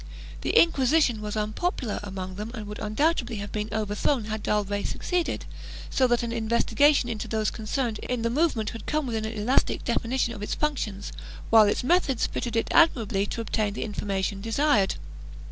The Inquisition was unpopular CHAP. IV] NAVAERE 227 among them and would undoubtedly have been overthrown had d'Albret succeeded, so that an investigation into those con cerned in the movement could come within an elastic definition of its functions, while its methods fitted it admirably to obtain the information desired.